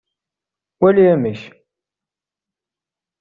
Wali amek!